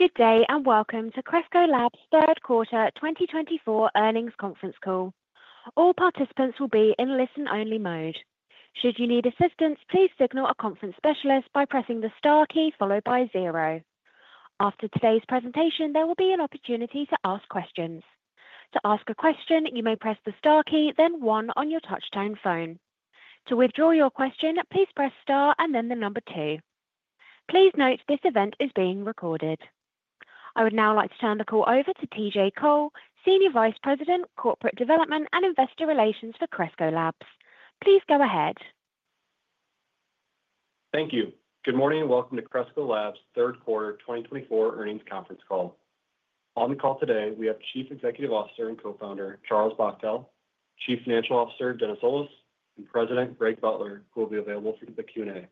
Good day and welcome to Cresco Labs third quarter 2024 earnings conference call. All participants will be in listen only mode. Should you need assistance, please signal a conference specialist by pressing the star key followed by zero. After today's presentation, there will be an opportunity to ask questions. To ask a question, you may press the star key, then one on your touchtone phone. To withdraw your question, please press star and then the number two. Please note this event is being recorded. I would now like to turn the call over to TJ Cole, Senior Vice President, Corporate Development and Investor Relations for Cresco Labs. Please go ahead. Thank you. Good morning and welcome to Cresco Labs third quarter 2024 earnings conference call. On the call today we have Chief Executive Officer and Co-Founder Charlie Bachtell.Chief Financial Officer Dennis Olis and President Greg Butler, who will be available for the Q&A.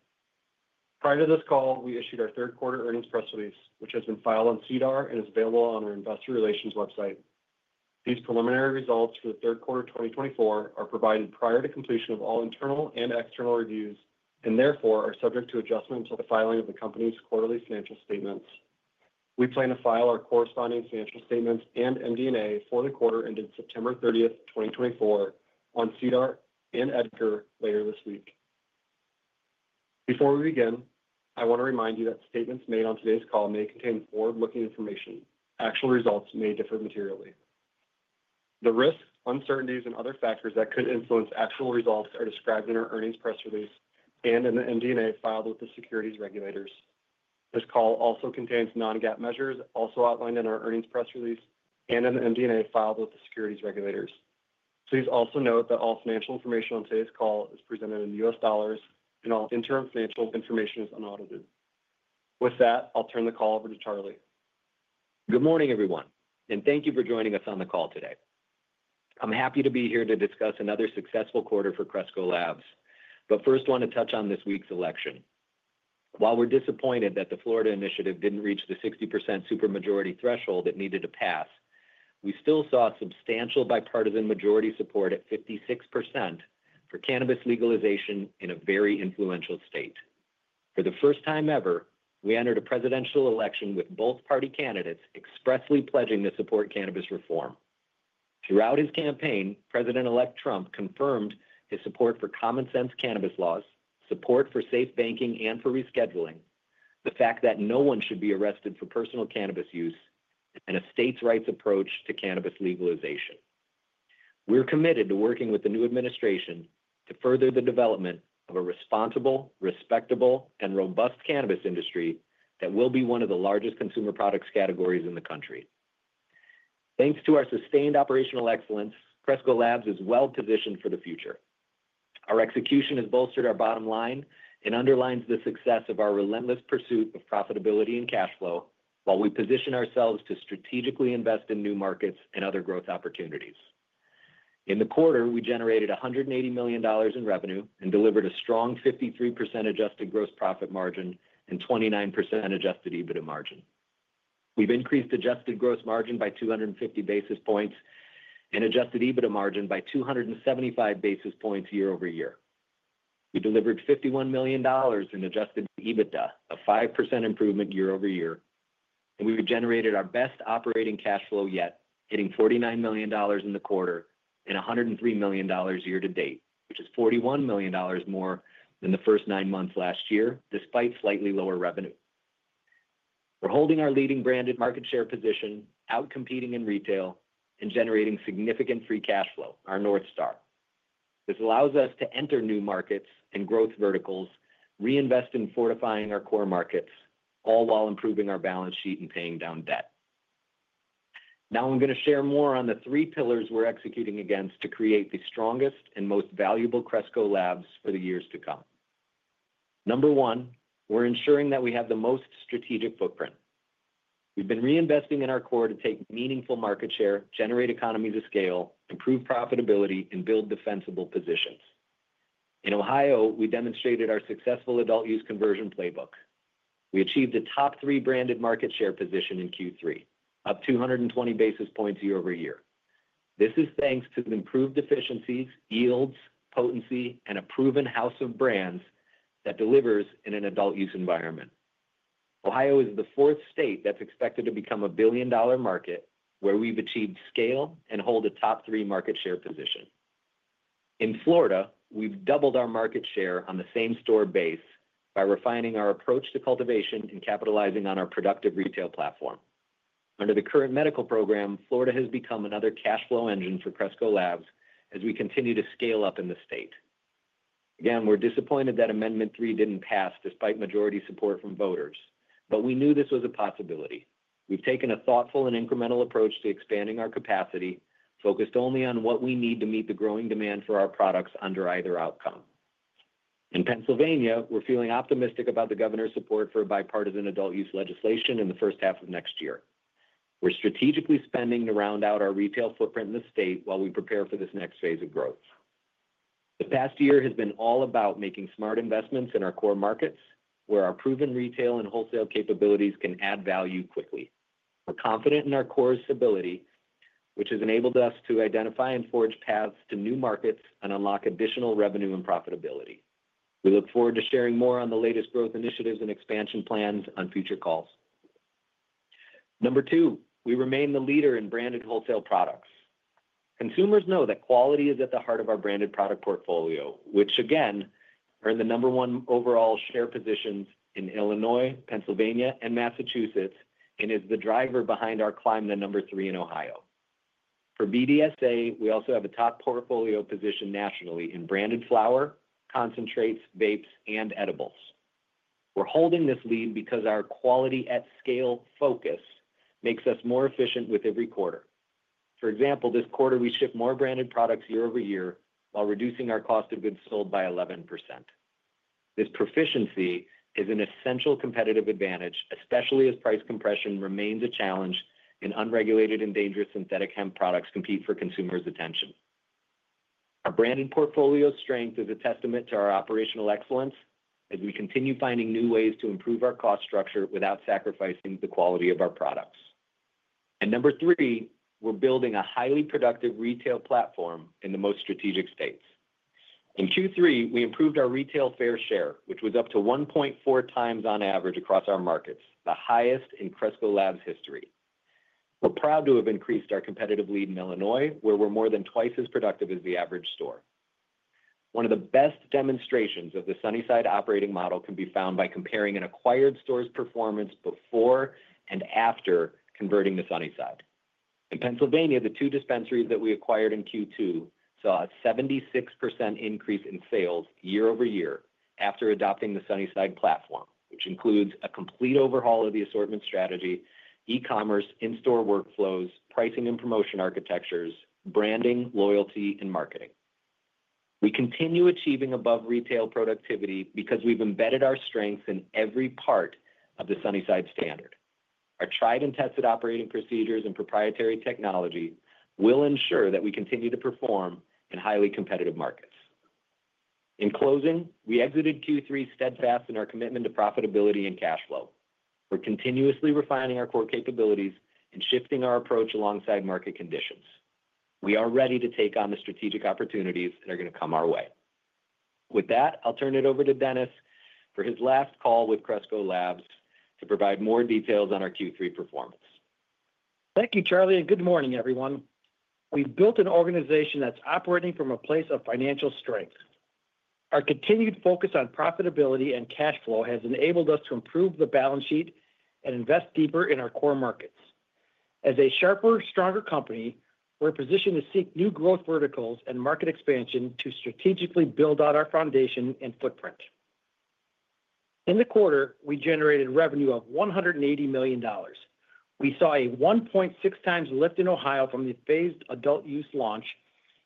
Prior to this call, we issued our Third quarter earnings press release which has been filed on SEDAR and is available on our investor relations website. These preliminary results for the third quarter 2024 are provided prior to completion of all internal and external reviews and therefore are subject to adjustment until the filing of the company's quarterly financial statements. We plan to file our corresponding financial statements and MD&A for the quarter ended September 30, 2024 on SEDAR and EDGAR later this week. Before we begin, I want to remind you that statements made on today's call may contain forward looking information. Actual results may differ materially. The risks, uncertainties and other factors that could influence actual results are described in our earnings press release and in the MD&A filed with the securities regulators. This call also contains non-GAAP measures, also outlined in our earnings press release and in the MD&A filed with the securities regulators. Please also note that all financial information on today's call is presented in U.S. dollars and all interim financial information is unaudited. With that, I'll turn the call over to Charlie. Good morning, everyone, and thank you for joining us on the call today. I'm happy to be here to discuss another successful quarter for Cresco Labs, but first want to touch on this week's election. While we're disappointed that the Florida initiative didn't reach the 60% supermajority threshold it needed to pass, we still saw substantial bipartisan majority support at 56% for cannabis legalization in a very influential state. For the first time ever, we entered a presidential election with both party candidates expressly pledging to support cannabis reform. Throughout his campaign, President-elect Trump confirmed his support for common sense cannabis laws, support for safe banking, and for rescheduling, the fact that no one should be arrested for personal cannabis use, and a states' rights approach to cannabis legalization. We're committed to working with the new administration to further the development of a responsible, respectable, and robust cannabis industry that will be one of the largest consumer products categories in the country. Thanks to our sustained operational excellence, Cresco Labs is well positioned for the future. Our execution has bolstered our bottom line and underlines the success of our relentless pursuit of profitability and cash flow while we position ourselves to strategically invest in new markets and other growth opportunities. In the quarter, we generated $180 million in revenue and delivered a strong 53% Adjusted gross profit margin and 29% Adjusted EBITDA margin. We've increased Adjusted gross margin by 250 basis points and Adjusted EBITDA margin by 275 basis points year-over-year. We delivered $51 million in Adjusted EBITDA, a 5% improvement year-over-year and we generated our best operating cash flow yet, hitting $49 million in the quarter and $103 million year to date, which is $41 million more than the first nine months last year. Despite slightly lower revenue, we're holding our leading branded market share position out, competing in retail and generating significant free cash flow. Our North Star. This allows us to enter new markets and growth verticals, reinvest in fortifying our core markets, all while improving our balance sheet and paying down debt. Now I'm going to share more on the three pillars we're executing against to create the strongest and most valuable Cresco Labs for the years to come. Number one, we're ensuring that we have the most strategic footprint. We've been reinvesting in our core to take meaningful market share, generate economies of scale, improve profitability and build defensible positions. In Ohio we demonstrated our successful adult use conversion playbook. We achieved a top three branded market share position in Q3, up 220 basis points year-over-year. This is thanks to the improved efficiencies, yields, potency and a proven house of brands that delivers in an adult use environment. Ohio is the fourth state that's expected to become a billion dollar market where we've achieved scale and hold a top three market share position. In Florida, we've doubled our market share on the same store base by refining our approach to cultivation and capitalizing on our productive retail platform under the current medical program. Florida has become another cash flow engine for Cresco Labs as we continue to scale up in the state. Again, we're disappointed that Amendment 3 didn't pass despite majority support from voters, but we knew this was a possibility. We've taken a thoughtful and incremental approach to expanding our capacity, focused only on what we need to meet the growing demand for our products under either outcome. In Pennsylvania, we're feeling optimistic about the governor's support for bipartisan adult use legislation in the first half of next year. We're strategically spending to round out our retail footprint in the state while we prepare for this next phase of growth. The past year has been all about making smart investments in our core markets, where our proven retail and wholesale capabilities can add value quickly. We're confident in our core's ability, which has enabled us to identify and forge paths to new markets and unlock additional revenue and profitability. We look forward to sharing more on the latest growth initiatives and expansion plans on future calls. Number two, we remain the leader in branded wholesale products. Consumers know that quality is at the heart of our branded product portfolio, which again earn the number one overall share positions in Illinois, Pennsylvania, and Massachusetts and is the driver behind our climb to number three in Ohio for BDSA. We also have a top portfolio position nationally in branded flower, concentrates, vapes, and edibles. We're holding this lead because our quality at scale focus makes us more efficient with every quarter. For example, this quarter we shipped more branded products year-over-year while reducing our cost of goods sold by 11%. This proficiency is an essential competitive advantage, especially as price compression remains a challenge and unregulated and dangerous synthetic hemp products compete for consumers' attention. Our branded portfolio strength is a testament to our operational excellence as we continue finding new ways to improve our cost structure without sacrificing the quality of our products. And number three, we're building a highly productive retail platform in the most strategic states. In Q3, we improved our retail share which was up to 1.4 times on average across our markets, the highest in Cresco Labs history. We're proud to have increased our competitive lead in Illinois, where we're more than twice as productive as the average store. One of the best demonstrations of the Sunnyside operating model can be found by comparing an acquired store's performance before and after converting to Sunnyside. In Pennsylvania, the two dispensaries that we acquired in Q2 saw a 76% increase in sales year-over-year. After adopting the Sunnyside platform, which includes a complete overhaul of the assortment strategy, e-commerce in-store workflows, pricing and promotion architectures, branding, loyalty and marketing. We continue achieving above retail productivity because we've embedded our strengths in every part of the Sunnyside standard. Our tried and tested operating procedures and proprietary technology will ensure that we continue to perform in highly competitive markets. In closing, we exited Q3 steadfast in our commitment to profitability and cash flow. We're continuously refining our core capabilities and shifting our approach alongside market conditions. We are ready to take on the strategic opportunities that are going to come our way. With that, I'll turn it over to Dennis for his last call with Cresco Labs to provide more details on our Q3 performance. Thank you Charlie and good morning everyone. We've built an organization that's operating from a place of financial strength. Our continued focus on profitability and cash flow has enabled us to improve the balance sheet and invest deeper in our core markets as a sharper, stronger company. We're positioned to seek new growth verticals and market expansion to strategically build out our foundation and footprint. In the quarter we generated revenue of $180 million. We saw a 1.6 times lift in Ohio from the phased adult-use launch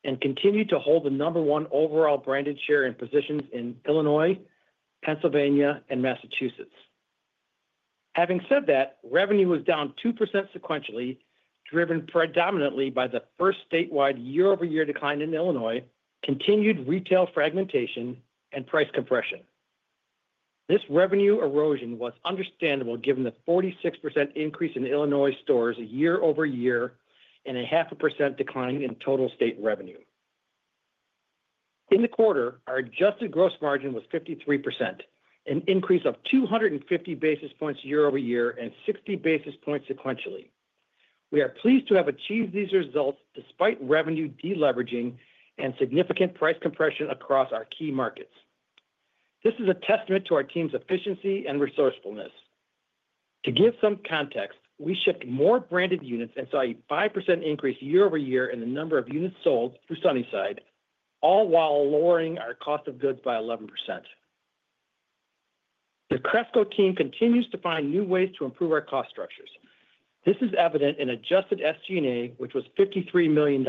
and continue to hold the number one overall branded share in positions in Illinois, Pennsylvania, and Massachusetts. Having said that, revenue was down 2% sequentially, driven predominantly by the first statewide year-over-year decline in Illinois, continued retail fragmentation and price compression. This revenue erosion was understandable given the 46% increase in Illinois stores year-over-year and a 0.5% decline. In total state revenue in the quarter. Our Adjusted gross margin was 53%, an increase of 250 basis points year-over-year and 60 basis points sequentially. We are pleased to have achieved these results despite revenue deleveraging and significant price compression across our key markets. This is a testament to our team's efficiency and resourcefulness. To give some context, we shipped more branded units and saw a 5% increase year-over-year in the number of units sold through Sunnyside, all while lowering our cost of goods by 11%. The Cresco team continues to find new ways to improve our cost structures. This is evident in Adjusted SG&A, which was $53 million,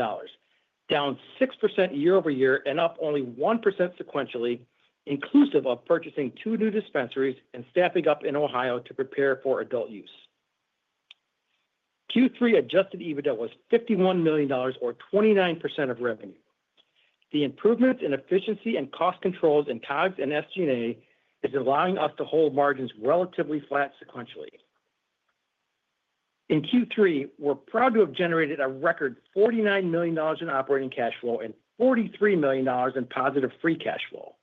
down 6% year-over-year and up only 1% sequentially inclusive of purchasing two new dispensaries and staffing up in Ohio to prepare for adult use. Q3 Adjusted EBITDA was $51 million, or 29% of revenue. The improvements in efficiency and cost controls in COGS and SG&A is allowing us to hold margins relatively flat sequentially. In Q3, we're proud to have generated a record $49 million in operating cash flow and $43 million in positive free cash flow.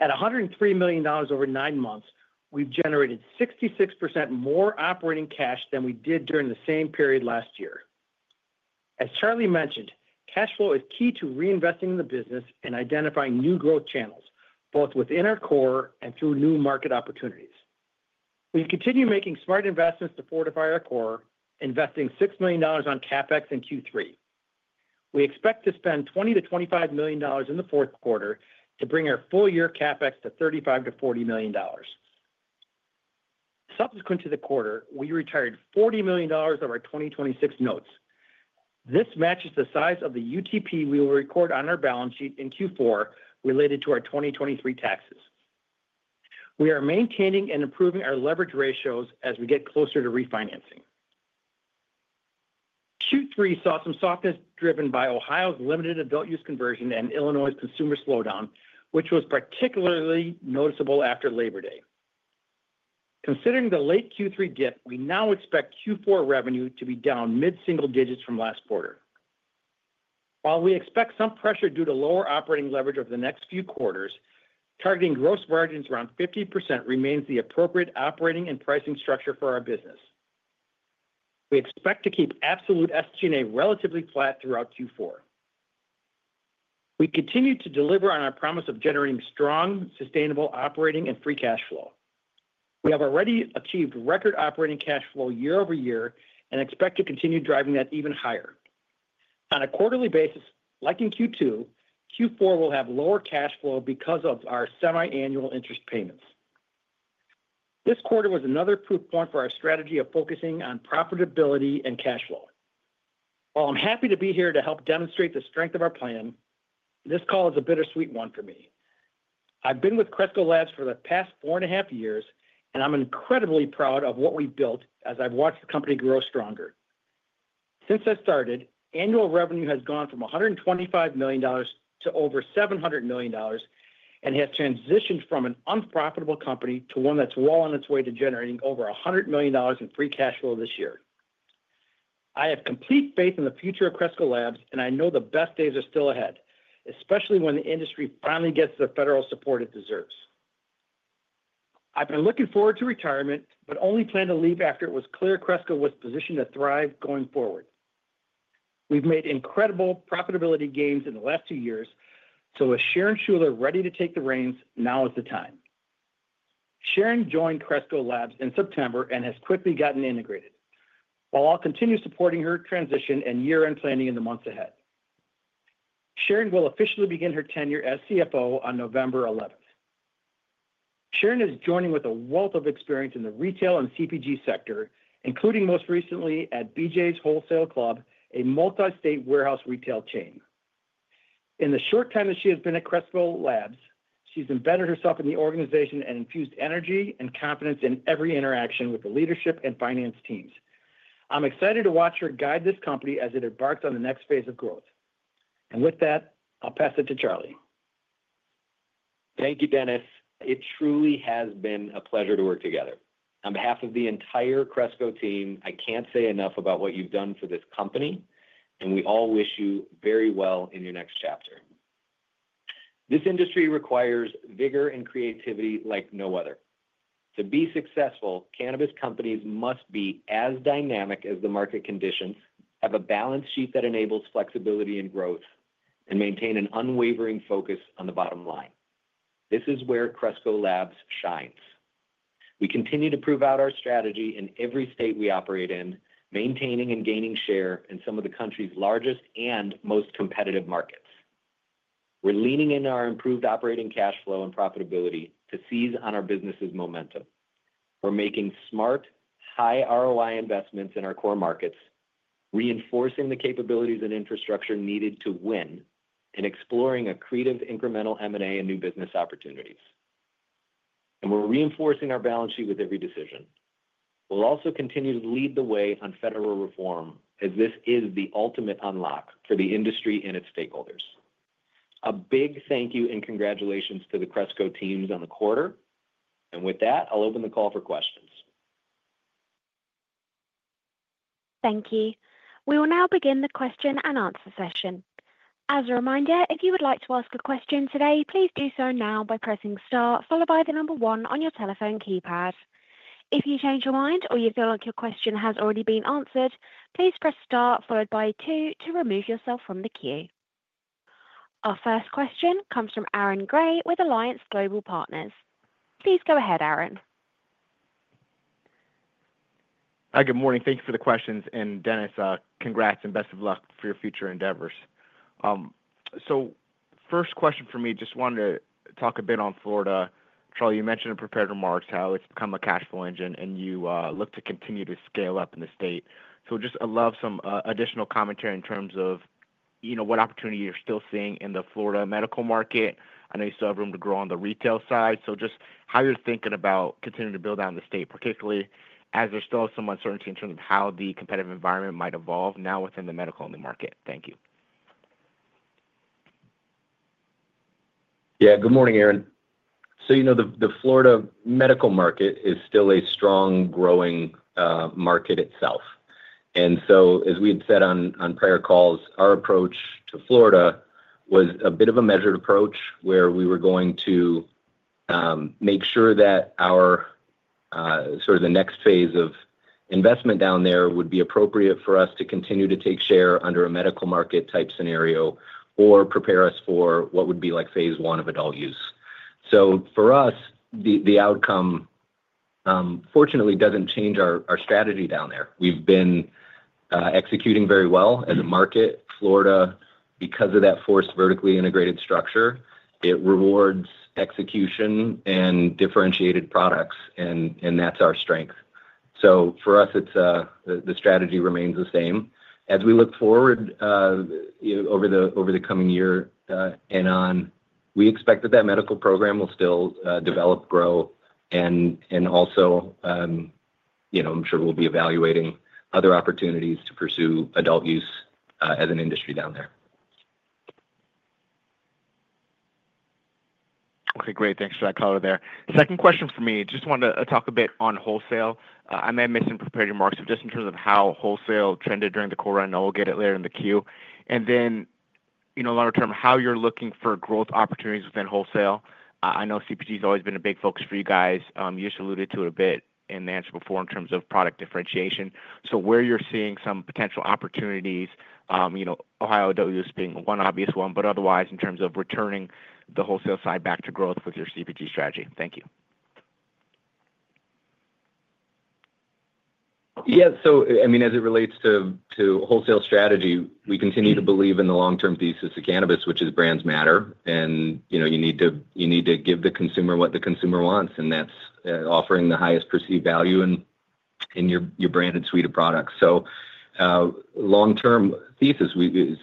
At $103 million over nine months, we've generated 66% more operating cash than we did during the same period last year. As Charlie mentioned, cash flow is key to reinvesting in the business and identifying new growth channels both within our core and through new market opportunities. We continue making smart investments to fortify our core investing $6 million on CapEx in Q3. We expect to spend $20-$25 million in the fourth quarter to bring our full year CapEx to $35-$40 million. Subsequent to the quarter, we retired $40 million of our 2026 notes. This matches the size of the UTP we will record on our balance sheet in Q4. Related to our 2023 taxes, we are maintaining and improving our leverage ratios as we get closer to refinancing. Q3 saw some softness driven by Ohio's limited adult use conversion and Illinois's consumer slowdown, which was particularly noticeable after Labor Day. Considering the late Q3 dip, we now expect Q4 revenue to be down mid single digits from last quarter. While we expect some pressure due to lower operating leverage over the next few quarters, targeting gross margins around 50% remains the appropriate operating and pricing structure for our business. We expect to keep absolute SGA relatively flat throughout Q4. We continue to deliver on our promise of generating strong, sustainable operating and free cash flow. We have already achieved record operating cash flow year-over-year and expect to continue driving that even higher on a quarterly basis. Like in Q2, Q4 will have lower cash flow because of our semiannual interest payments. This quarter was another proof point for our strategy of focusing on profitability and cash flow. While I'm happy to be here to help demonstrate the strength of our plan. This call is a bittersweet one for me. I've been with Cresco Labs for the past four and a half years, and I'm incredibly proud of what we've built as I've watched the company grow stronger since I started. Annual revenue has gone from $125 million to over $700 million and has transitioned from an unprofitable company to one that's well on its way to generating over $100 million in free Cash flow this year. I have complete faith in the future of Cresco Labs and I know the best days are still ahead, especially when the industry finally gets the federal support it deserves. I've been looking forward to retirement, but only planned to leave after it was clear Cresco was positioned to thrive going forward. We've made incredible profitability gains in the last two years. So is Sharon Schuler ready to take the reins? Now is the time. Sharon joined Cresco Labs in September and has quickly gotten integrated. While I'll continue supporting her transition and year-end planning in the months ahead, Sharon will officially begin her tenure as CFO on November 11th. Sharon is joining with a wealth of experience in the retail and CPG sector, including most recently at BJ's Wholesale Club, a multi-state warehouse retail chain. In the short time that she has been at Cresco Labs, she's embedded herself in the organization and infused energy and confidence in every interaction with the leadership and finance teams. I'm excited to watch her guide this company as it embarks on the next phase of growth, and with that, I'll pass it to Charlie. Thank you Dennis. It truly has been a pleasure to work together on behalf of the entire Cresco team. I can't say enough about what you've done for this company and we all wish you very well in your next chapter. This industry requires vigor and creativity like no other. To be successful, cannabis companies must be as dynamic as the market conditions, have a balance sheet that enables flexibility and growth, and maintain an unwavering focus on the bottom line. This is where Cresco Labs shines. We continue to prove out our strategy In every state we operate in, maintaining and gaining share in some of the country's largest and most competitive markets. We're leaning on our improved operating cash flow and profitability to seize on our business's momentum. We're making smart high-ROI investments in our core markets, reinforcing the capabilities and infrastructure needed to win, and exploring accretive incremental M&A and new business opportunities. We're reinforcing our balance sheet with every decision. We'll also continue to lead the way on federal reform as this is the ultimate unlock for the industry and its stakeholders. A big thank you and congratulations to the Cresco teams on the quarter. With that, I'll open the call for questions. Thank you. We will now begin the question and answer session. As a reminder, if you would like to ask a question today, please do so now by pressing star followed by the number one on your telephone keypad. If you change your mind or you feel like your question has already been answered, please press star followed by two to remove yourself from the queue. Our first question comes from Aaron Grey with Alliance Global Partners. Please go ahead. Aaron. Hi, good morning. Thank you for the questions and Dennis. Congrats and best of luck for your future endeavors. First question for me, just wanted. To talk a bit on Florida. Charlie, you mentioned in prepared remarks how It's become a cash flow engine and. You look to continue to scale up in the state. So I'd love some additional commentary on terms of, you know, what opportunity you're still seeing in the Florida medical market. I know you still have room to grow on the retail side. So, just how you're thinking about continuing to build out the state, particularly as? There's still some uncertainty in terms of how the competitive environment might evolve now? Within the medical only market. Thank you. Yeah, good morning, Aaron. So, you know, the Florida medical market is still a strong growing market itself. And so as we had said on prior calls, our approach to Florida was a bit of a measured approach where we were going to make sure that our sort of the next phase of investment down there would be appropriate for us to continue to take share under a medical market type scenario or prepare us for what would be like phase. One of adult use. For us, the outcome fortunately doesn't change our strategy down there. We've been executing very well in the market in Florida because of that forced vertically integrated structure. It rewards execution and differentiated products and that's our strength. For us it's the strategy remains the same as we look forward over the coming year and on. We expect that medical program will still develop, grow and also I'm sure we'll be evaluating other opportunities to pursue adult-use as an industry down there. Okay, great. Thanks for that color there. Second question for me. Just wanted to talk a bit on wholesale. I may have missed some prepared remarks just in terms of how wholesale trended during the quarter. I know we'll get it later in the queue and then you know, longer me how you're looking for growth opportunities within wholesale. I know CPG has always been a big focus for you guys. You just alluded to it a bit in the answer before in terms of product differentiation. So where you're seeing some potential opportunities, you know, Ohio WS being one obvious one, but otherwise in terms of returning the wholesale side back to growth with your CPG strategy? Thank you. Yeah, so I mean as it relates to wholesale strategy, we continue to believe in the long term thesis of cannabis, which is brands matter and you know, you need to, you need to give the consumer what the consumer wants and that's offering the highest perceived value and in your branded suite of products. So long term thesis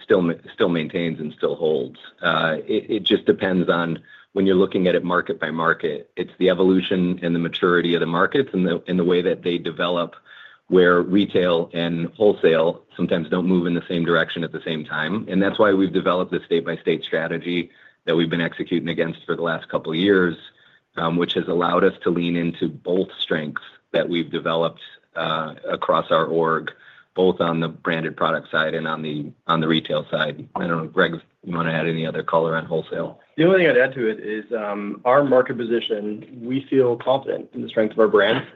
still maintains and still holds. It just depends on when you're looking at it market by market, it's the evolution and the maturity of the markets and the way that they develop where retail and wholesale sometimes don't move in the same direction at the same time. And that's why we've developed the state by state strategy that we've been executing against for the last couple years, which has allowed us to lean into both strengths that we've developed across our org, both on the branded product side and on the retail side. I don't know, Greg, you want to add any other color on wholesale? The only thing I'd add to it is our market position. We feel confident in the strength of our brand.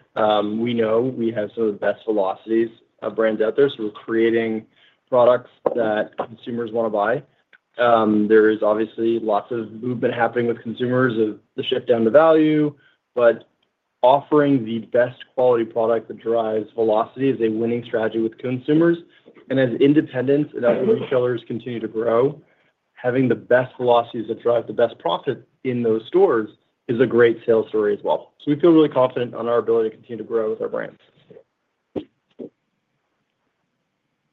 We know we have some of the best velocities of brands out there. So we're creating products that consumers want to buy. There is obviously lots of movement happening with consumers of the shift down to value. But offering the best quality product that drives velocity is a winning strategy with consumers. And as independents and other retailers continue to grow, having the best velocities that drive the best profit in those stores is a great sales story as well. So we feel really confident on our ability to continue to grow with our brands.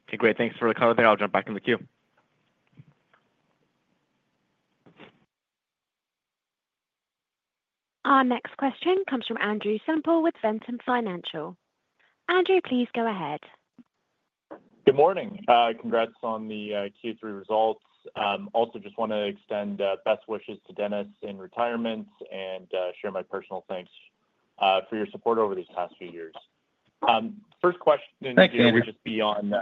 Okay, great. Thanks for the commentary. I'll jump back in the queue. Our next question comes from Andrew Semple with Ventum Financial. Andrew, please go ahead. Good morning. Congrats on the Q3 results. Also just want to extend best wishes to Dennis in retirement and share my personal thanks for your support over these past few years. First question would just be on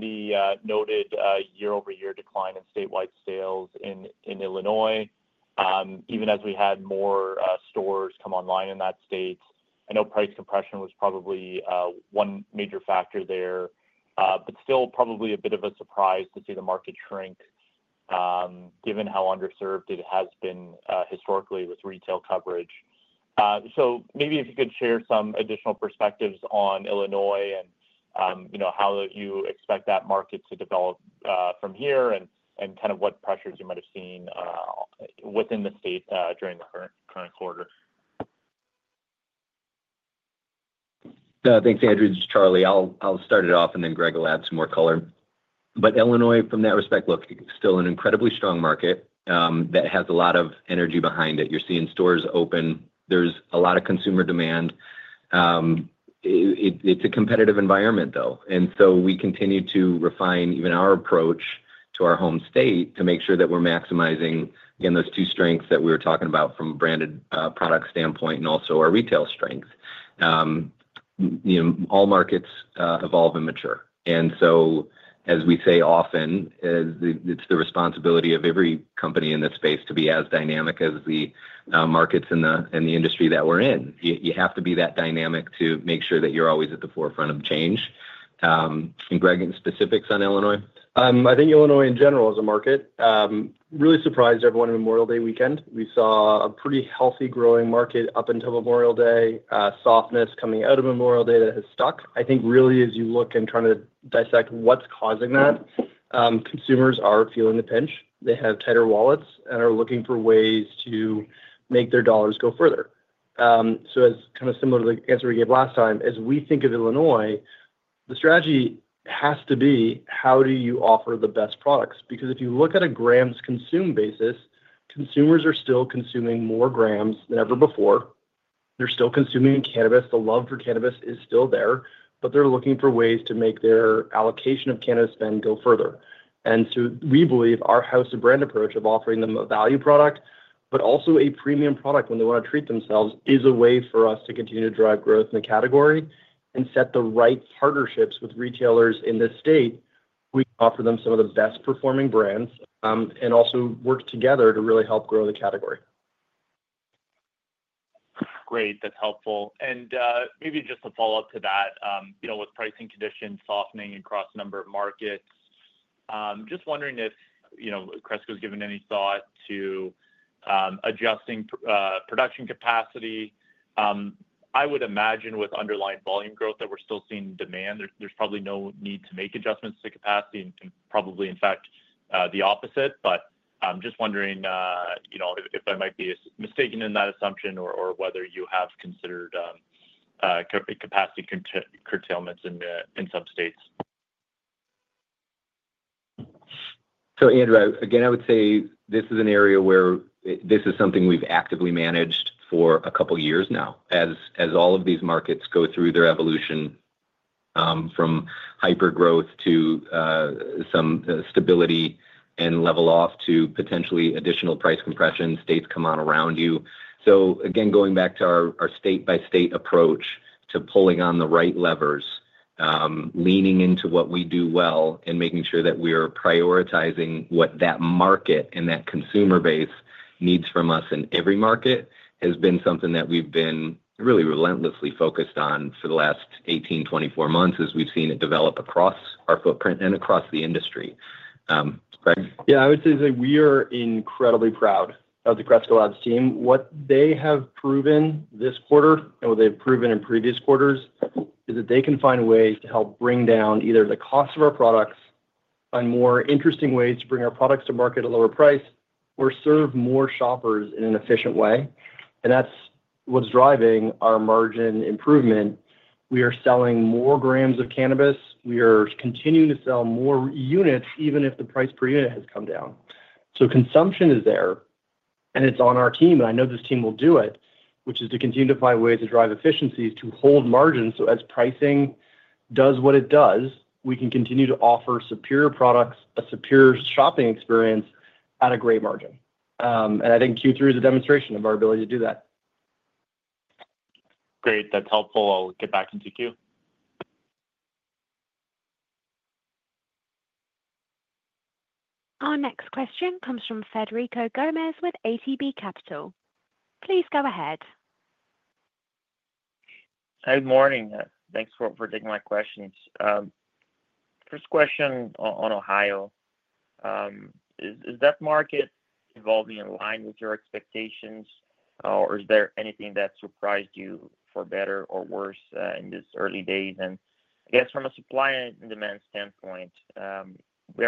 the noted year-over-year decline in statewide sales in Illinois even as we had more stores come online in that state. I know price compression was probably one major factor there, but still probably a bit of a surprise to see the market shrink given how underserved it has been historically with retail coverage. So maybe if you could share some additional perspectives on Illinois and how you expect that market to develop from here and kind of what pressures you might have seen within the state during the current quarter. Thanks, Andrew. This is Charlie. I'll start it off and then Greg will add some more color. But Illinois, from that respect, looks still an incredibly strong market that has a lot of energy behind it. You're seeing stores open. There's a lot of consumer demand. It's a competitive environment though. And so we continue to refine even our approach to our home state to make sure that we're maximizing in those two strengths that we were talking about from branded product standpoint and also our retail strength. All markets evolve and mature. And so as we say, often it's the responsibility of every company in this space to be as dynamic as the markets in the industry that we're in. You have to be that dynamic to make sure that you're always at the forefront of change. And Greg specifics on Illinois. I think Illinois in general as a market really surprised everyone in Memorial Day weekend. We saw a pretty healthy growing market up until Memorial Day. Softness coming out of Memorial Day that has stuck. I think really as you look and try to dissect what's causing that, consumers are feeling the pinch. They have tighter wallets and are looking for ways to make their dollars go further. So as kind of similar to the answer we gave last time, as we think of Illinois, the strategy has to be how do you offer the best products? Because if you look at a grams consumed basis, consumers are still consuming more grams than ever before. They're still consuming cannabis. The love for cannabis is still there, but they're looking for ways to make their allocation of cannabis spend go further. And so we believe our house of brands approach of offering them a value product, but also a premium product when they want to treat themselves is a way for us to continue to drive growth in the category and set the right partnerships with retailers in this state. We offer them some of the best performing brands and also work together to really help grow the category. Great, that's helpful. And maybe just to follow up to that, you know, with pricing conditions softening across a number of markets, just wondering if, you know, Cresco's given any thought to adjusting production capacity. I would imagine with underlying volume growth that we're still seeing demand. There's probably no need to make adjustments to capacity and can probably in fact the opposite. But I'm just wondering, you know, if I might be mistaken in that assumption or whether you have considered capacity curtailments in some states. So Andrew, again I would say this is an area where this is something we've actively managed for a couple years now as all of these markets go through their evolution from hyper growth to some stability and level off to potentially additional price compression, states come on around you. So again, going back to our state by state approach to pulling on the right levers, leaning into what we do well and making sure that we are prioritizing what that market and that consumer base needs from us in every market has been something that we've been really relentlessly focused on for the last 18, 24 months as we've seen it develop. Across our footprint and across the industry. Greg? Yeah, I would say that we are incredibly proud of the Cresco Labs team. What they have proven this quarter and what they've proven in previous quarters is that they can find ways to help bring down either the cost of our products, find more interesting ways to bring our products to market a lower price, or serve more shoppers in an efficient way, and that's what's driving our margin improvement. We are selling more grams of cannabis. We are continuing to sell more units even if the price per unit has come down, so consumption is there and it's on our team, and I know this team will do it, which is to continue to find ways to drive efficiencies, to hold margins, so as pricing does what it does, we can continue to offer superior products, a superior shopping experience at a great margin. I think Q3 is a demonstration of our ability to do that. Great. That's helpful. I'll get back into Q. Our next question comes from Frederico Gomes with ATB Capital. Please go ahead. Good morning. Thanks for taking my questions. First question on Ohio. Is that market evolving in line with your expectations or is there anything that surprised you for better or worse in this early days? And I guess from a supply and demand standpoint,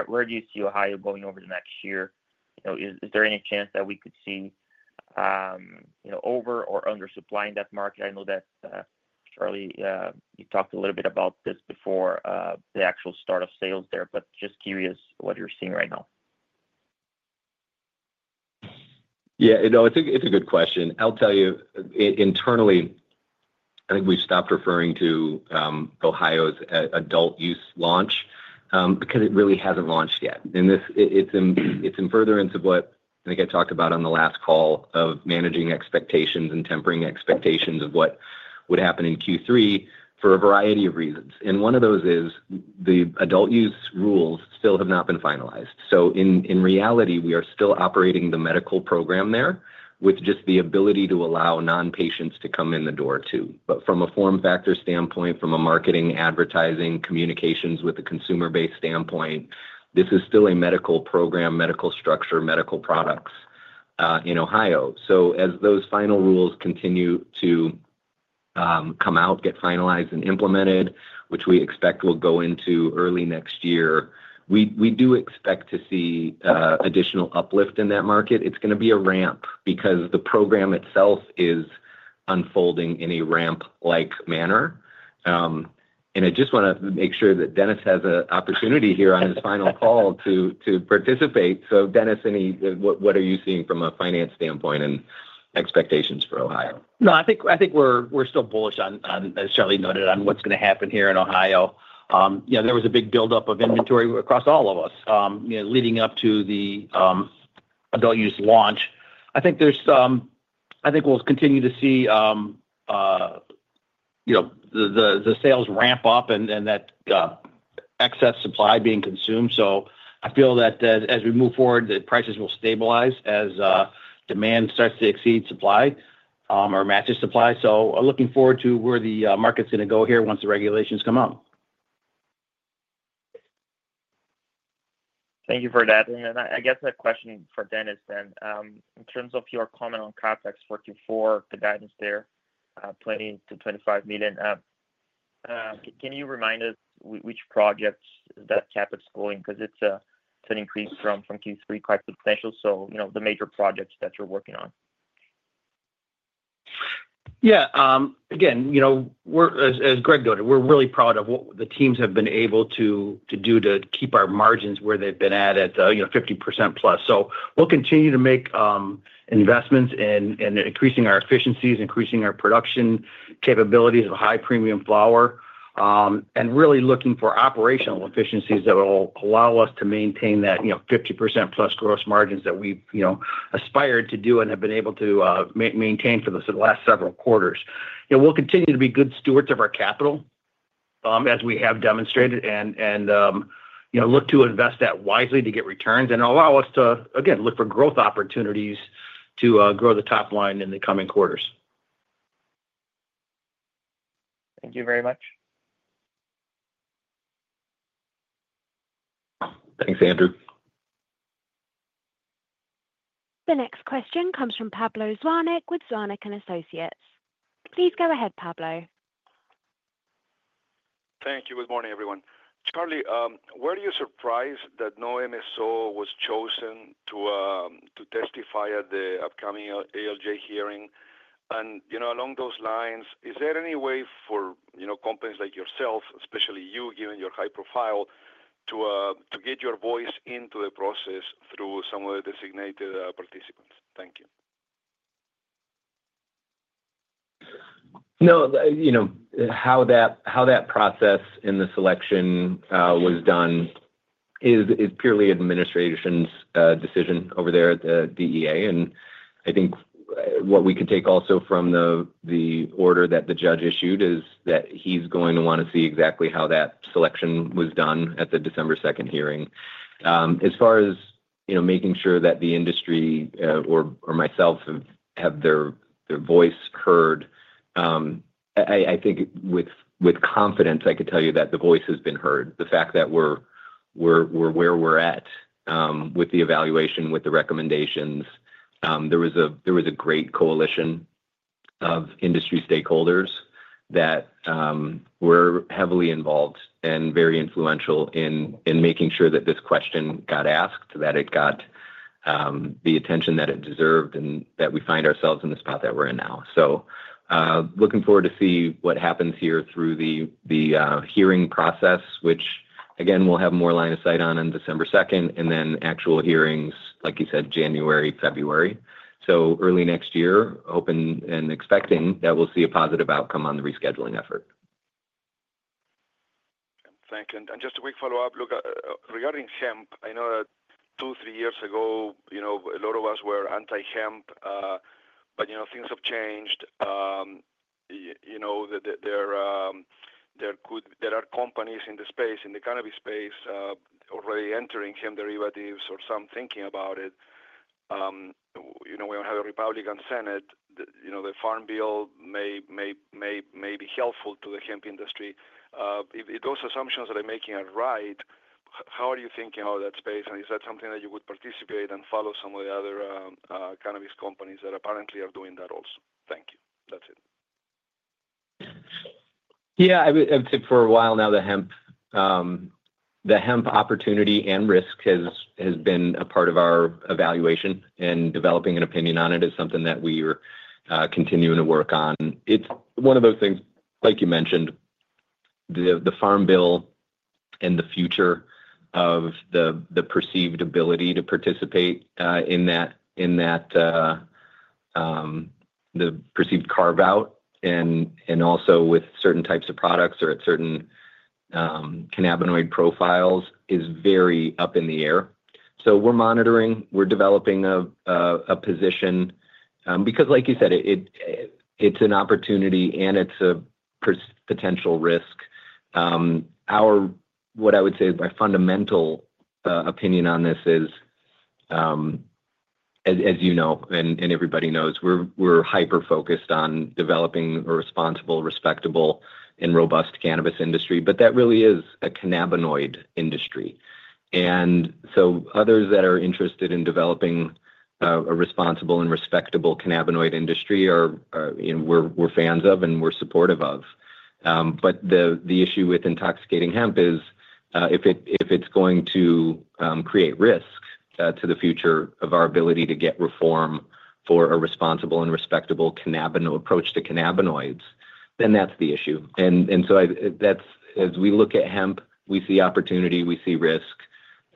where do you see Ohio going over the next year? Is there any chance that we could see over or under supply in that market? I know that, Charlie, you talked a little bit about this before the actual start of sales there, but just curious what you're seeing right now. Yeah, it's a good question. I'll tell you. Internally, I think we've stopped referring to Ohio's adult use launch because it really hasn't launched yet. And it's in furtherance of what I think I talked about on the last call of managing expectations and tempering expectations of what would happen in Q3 for a variety of reasons and one of those is the adult use rules still have not been finalized. So in reality we are still operating the medical program there with just the ability to allow non patients to come in the door too. But from a form factor standpoint, from a marketing, advertising, communications with a consumer based standpoint, this is still a medical program, medical structure, medical products in Ohio. So as those final rules continue to come out, get finalized and implemented, which we expect will go into early next year, we do expect to see additional uplift in that market. It's going to be a ramp because the program itself is unfolding in a ramp like manner. And I just want to make sure that Dennis has an opportunity here on his final call to participate. So Dennis, what are you seeing from a finance standpoint and expectations for Ohio? No, I think we're still bullish, as Charlie noted, on what's going to happen here in Ohio. You know, there was a big buildup of inventory across all of us leading up to the adult-use launch. I think we'll continue to see, you know, the sales ramp up and that excess supply being consumed. So I feel that as we move forward, the prices will stabilize as demand starts to exceed supply or matches supply. So looking forward to where the market's going to go here once the regulations come out. Thank you for that. And then I guess a question for Dennis then in terms of your comment on CapEx for Q4, the guidance there, $20 million-$25 million. Can you remind us which projects that CapEx going because it's a, to an increase from Q3, quite substantial. So, you know, the major projects that you're working on. Yeah, again, you know, we're, as Greg noted, we're really proud of what the teams have been able to do, too. Keep our margins where they've been at, you know, 50% plus. So we'll continue to make investments in increasing our efficiencies, increasing our production capabilities of high premium flower and really looking for operational efficiencies that will allow us to maintain that, you know, 50% plus GR margins that we aspired to do and have been able to maintain for. The last several quarters we'll continue to be good stewards of our capital as we have demonstrated and look to invest that wisely to get returns and allow us to again, look for growth opportunities to grow the top line in the coming quarters. Thank you very much. Thanks, Andrew. The next question comes from Pablo Zuanic with Zuanic & Associates. Please go ahead, Pablo. Thank you. Good morning, everyone. Charlie, were you surprised that no MSO was chosen to testify at the upcoming ALJ hearing? And you know, along those lines, is there any way for, you know, companies like yourself, especially you, given your high profile, to get your voice into the process through some of the designated participants? Thank you. No, you know, how that process in the selection was done is purely administration's decision over there at the DEA. And I think what we can take also from the order that the judge issued is that he's going to want to see exactly how that selection was done at the December 2 hearing. As far as, you know, making sure that the industry or myself have their voice heard, I think with confidence, I could tell you that the voice has been heard. The fact that we're where we're at with the evaluation, with the recommendations, there was a great coalition of industry stakeholders that we're heavily involved and very influential in making sure that this question got asked, that it got the attention that it deserved and that we find ourselves in the spot that we're in now. So, looking forward to see what happens here through the hearing process, which again we'll have more line of sight on in December 2 and then actual hearings like you said, January, February, so early next year, open and expecting that we'll see a positive outcome on the rescheduling effort. Thank you. And just a quick follow up. Look, regarding hemp, I know that two, three years ago, you know, a lot of us were anti hemp, but you know, things have changed. You know, there could, there are companies in the space, in the cannabis space already entering hemp derivatives or some thinking about it, you know, we don't have a Republican Senate. You know, the Farm Bill may be helpful to the hemp industry. Those assumptions that I'm making are right. How are you thinking about that space and is that something that you would participate and follow some of the other cannabis companies that apparently are doing that also? Thank you. That's it. Yeah. I've said for a while now the hemp opportunity and risk has been a part of our evaluation and developing an opinion on it is something that we continue to work on. It's one of those things, like you mentioned the Farm Bill and the future of the perceived ability to participate in that the perceived carve out and also with certain types of products or at certain cannabinoid profiles is very up in the air. So we're monitoring, we're developing a position because like you said, it's an opportunity and it's a potential risk. What I would say is my fundamental opinion on this is as you know and everybody knows, we're hyper focused on developing a responsible, respectable and robust cannabis industry. But that really is a cannabinoid industry. And so others that are interested in developing a responsible and respectable cannabinoid industry are, we're fans of and we're supportive of. But the issue with intoxicating hemp is if it's going to create risk to the future of our ability to get reform for a responsible and respectable cannabinoid approach to cannabinoids, then that's the issue. And so that's. As we look at hemp, we see opportunity, we see risk,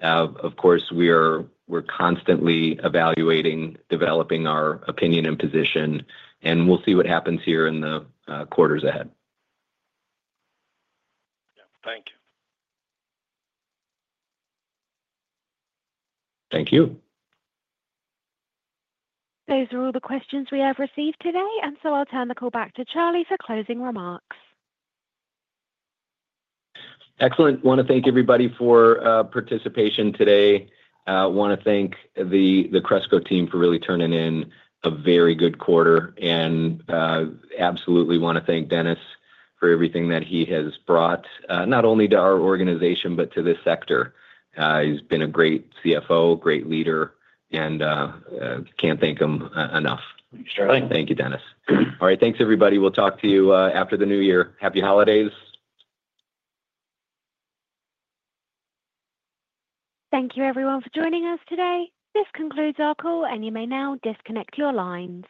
of course, we're constantly evaluating, developing our opinion and position, and we'll see what happens here in the quarters ahead. Thank you. Thank you. Those are all the questions we have received today. And so I'll turn the call back to Charlie for closing remarks. Excellent. Want to thank everybody for participation today. Want to thank the Cresco team for really turning in a very good quarter, and absolutely want to thank Dennis for everything that he has brought not only to our organization, but to this sector. He's been a great CFO, great leader, and can't thank him enough. Thank you, Dennis. All right. Thanks, everybody. We'll talk to you after the new year. Happy holidays. Thank you, everyone, for joining us today. This concludes our call, and you may now disconnect your lines.